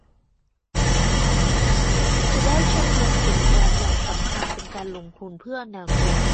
จะได้ใช้เงินเก็บเงินออมอย่างสำคัญเป็นการลงทุนเพื่ออนาคต